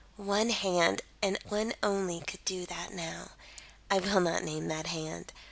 One hand, and one only, could do that now. I will not name that hand.